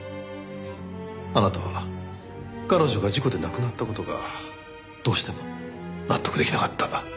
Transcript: あなたは彼女が事故で亡くなった事がどうしても納得できなかった。